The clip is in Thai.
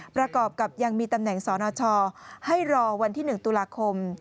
ประกอบกับยังมีตำแหน่งสนชให้รอวันที่๑ตุลาคม